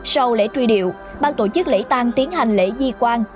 sau lễ truy điệu ban tổ chức lễ tăng tiến hành lễ di quan